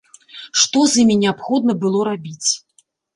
Што з імі неабходна было рабіць?